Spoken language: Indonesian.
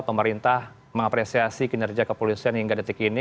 pemerintah mengapresiasi kinerja kepolisian hingga detik ini